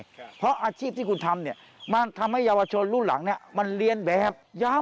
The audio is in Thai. เพราะอาชีพที่คุณทำเนี่ยมันทำให้เยาวชนรุ่นหลังเนี่ยมันเรียนแบบยาว